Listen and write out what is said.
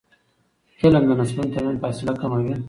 علم د نسلونو ترمنځ فاصله کموي.